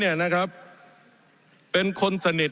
มีล้ำตีตั้นเนี่ยมีล้ำตีตั้นเนี่ย